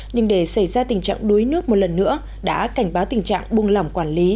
nhưng để xảy ra tình trạng đuối nước một lần nữa đã cảnh báo tình trạng buông lỏng quản lý